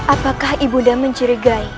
apakah ibu nia menjerigai